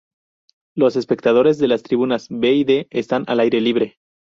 Los espectadores de las tribunas B y D están al aire libre.